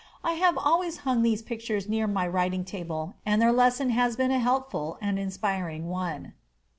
I have always hung these pictures near my writing table, and their lesson has been a helpful and inspiring one.